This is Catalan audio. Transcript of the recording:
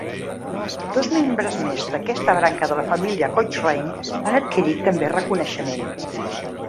Dos membres més d'aquesta branca de la família Cochrane han adquirit també reconeixement.